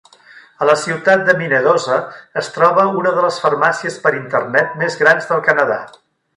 A la ciutat de Minnedosa es troba una de les farmàcies per internet més grans del Canadà.